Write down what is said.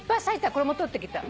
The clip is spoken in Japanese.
これも撮ってきた。